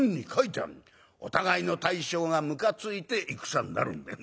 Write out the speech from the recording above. お互いの大将がむかついて戦になるんだ。